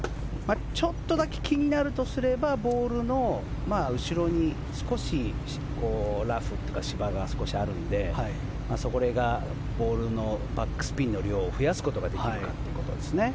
ちょっとだけ気になるとすればボールの後ろに少しラフというか芝が少しあるので、それがボールのバックスピンの量を増やすことができるかですね。